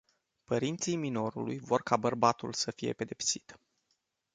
Părinții minorului vor ca bărbatul să fie pedepsit.